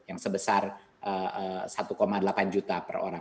yang sebesar satu delapan juta per orang